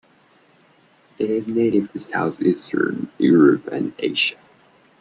It is native to southeastern Europe and Asia.